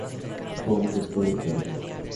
Bond descubre que el Dr.